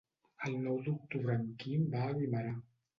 El nou d'octubre en Quim va a Guimerà.